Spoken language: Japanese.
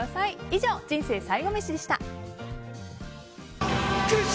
以上、人生最後メシでした。